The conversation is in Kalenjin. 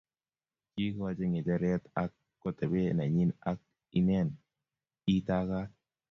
kiikochi ng'echeret ak kotebe nenyin ak inen.ii tagat!